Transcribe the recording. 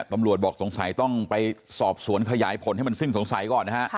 ตำรวจบอกสงสัยต้องไปสอบสวนขยายผลให้มันสิ้นสงสัยก่อนนะฮะ